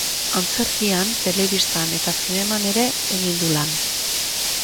Antzerkian, telebistan eta zineman ere egin du lan.